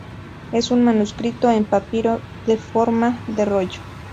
Es un manuscrito en papiro en forma de rollo.